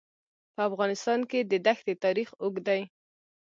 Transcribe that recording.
په افغانستان کې د دښتې تاریخ اوږد دی.